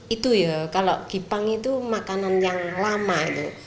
itu ya kalau gipang itu makanan yang lama itu